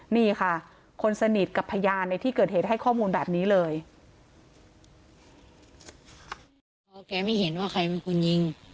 นี่ค่ะคนสนิทกับพยานในที่เกิดเหตุให้ข้อมูลแบบนี้เลย